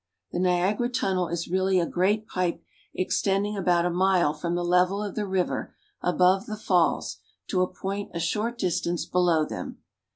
The Niagara Tunnel is really a great pipe extend ing about a mile from the level of the river above the falls to a point a short distance below them.